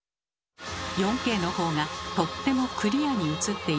４Ｋの方がとってもクリアに映っています。